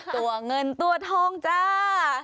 ตัวเงินตัวทองจ้า